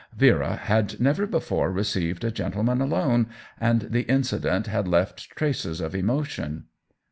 Vera had never before received a gentleman alone, and the incident had left traces of emotion.